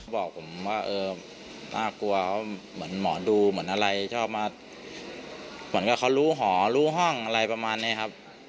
บอกผมว่าเออน่ากลัวเหมือนหมอดูเหมือนอะไรชอบมาเหมือนกับเขารู้หอรู้ห้องอะไรประมาณนี้ครับ